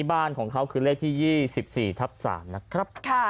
บ้านของเขาคือเลขที่๒๔ทับ๓นะครับ